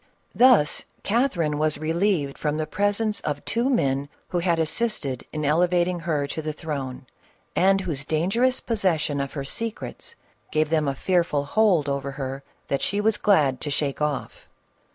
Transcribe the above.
Thus Catherine was relieved from the presence of two men who had assisted in elevating her to the throne, and whose dangerous possession of her secrets gave them a fearful hold upon her that she was glad to shake off.